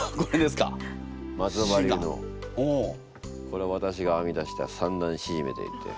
これ私が編み出した三段しじめといって。